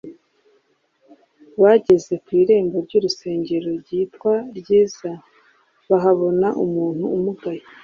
Bageze ku irembo ry’urusengero ryitwa Ryiza bahabona umuntu umugaye.